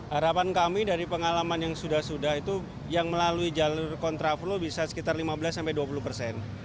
harapan kami dari pengalaman yang sudah sudah itu yang melalui jalur kontraflow bisa sekitar lima belas dua puluh persen